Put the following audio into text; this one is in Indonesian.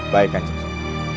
baikkan cak sun